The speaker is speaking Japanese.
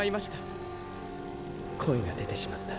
声が出てしまった。